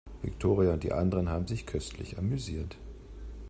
Viktoria und die anderen haben sich köstlich amüsiert.